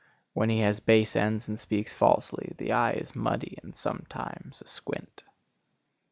When he has base ends and speaks falsely, the eye is muddy and sometimes asquint.